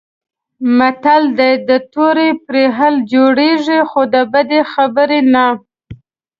متل دی: د تورې پرهر جوړېږي، خو د بدې خبرې نه.